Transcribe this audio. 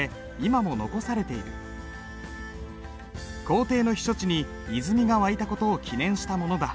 皇帝の避暑地に泉が湧いた事を記念したものだ。